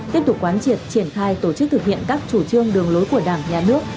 tiếp tục quán triệt triển khai tổ chức thực hiện các chủ trương đường lối của đảng nhà nước